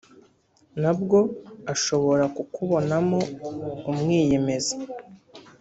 nabwo ashobora kukubonamo umwiyemezi